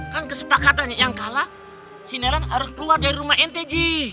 kan kesepakatannya yang kalah si nelan harus keluar dari rumah ente ji